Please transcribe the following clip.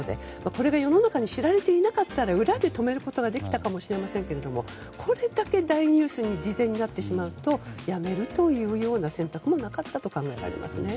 これが世の中に知られていなかったら裏で止めることができたかもしれませんがこれだけ大ニュースに事前になってしまうとやめるという選択もなかったと考えられますね。